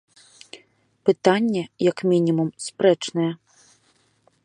Пытанне, як мінімум, спрэчнае.